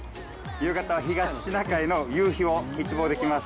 夕方、東シナ海の夕日を一望できます。